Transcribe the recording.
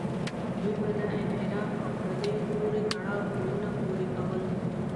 دوی به د انحراف او پردیو پورې تړاو تورونه پورې کول.